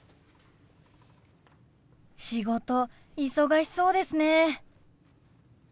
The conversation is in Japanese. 仕事忙しそうですね。